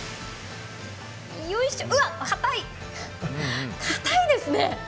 よいしょうわ、かたいですね。